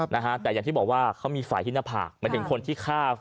นะฮะแต่อย่างที่บอกว่าเขามีฝ่ายที่หน้าผากหมายถึงคนที่ฆ่า